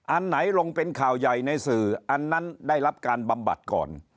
อันไหนลงเป็นข่าวใหญ่ในสื่ออันนั้นได้รับการบำบัดก่อน